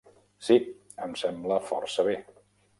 Sí, em sembla força bé.